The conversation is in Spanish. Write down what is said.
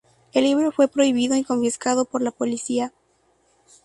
El libro fue prohibido y confiscado por la policía.